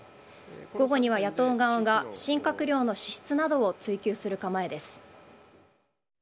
午後には野党側が新閣僚の資質などを追及する構えです。